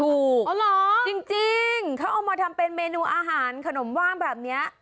อ๋อเหรอจริงเขาเอามาทำเป็นเมนูอาหารขนมว่างแบบนี้